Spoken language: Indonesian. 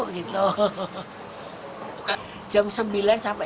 jam sembilan sampai jam dua biasanya